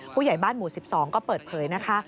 ผู้ใหญ่บ้านหมู่๑๒ก็เปิดเผยนะคะ